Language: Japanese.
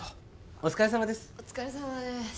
お疲れさまです